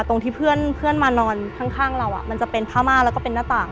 ตรงที่เพื่อนมานอนข้างเรามันจะเป็นผ้าม่าแล้วก็เป็นหน้าต่าง